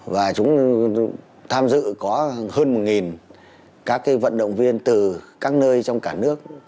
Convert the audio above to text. và chúng tham dự có hơn một nghìn các cái vận động viên từ các nơi trong cả nước